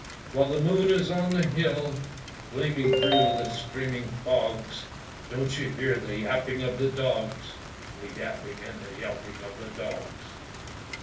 While the moon is on the hill Gleaming through the streaming fogs, Don't you hear the yapping of the dogs The yapping and the yelping of the dogs?